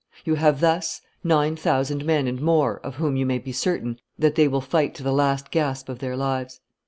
You have thus nine thousand men and more of whom you may be certain that they will fight to the last gasp of their lives.